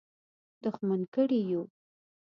دښمن کړي یو.